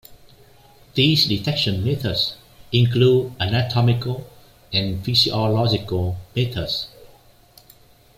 These detection methods include "anatomical" and "physiological" methods.